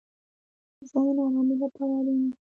خوب د ذهن ارامۍ لپاره اړین دی